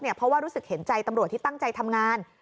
เพราะว่ารู้สึกเห็นใจตำรวจที่ตั้งใจทำงาน